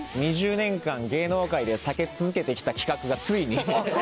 ２０年間芸能界で避け続けて来た企画がついに。